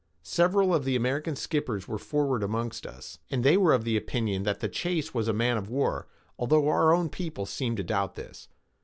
Several of the American skippers were forward amongst us, and they were of opinion that the chase was a man of war, although our own people seemed to doubt this.